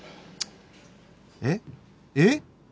えっ？えっ？